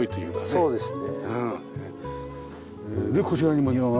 そうですね。